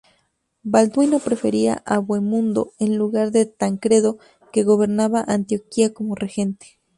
Balduino prefería a Bohemundo en lugar de Tancredo, que gobernaba Antioquía como regente.